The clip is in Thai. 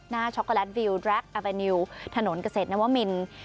หน้าช็อกโกแลตวิวดรัคอาเวนิวถนนเกษตรน้ำมะมิน